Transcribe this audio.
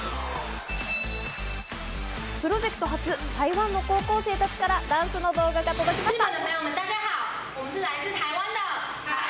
プロジェクト初、台湾の高校生たちからダンスの動画が届きました。